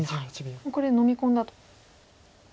これでのみ込んだと。